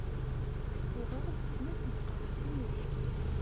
Uɣeɣ-d snat n teqreɛtin n uyefki.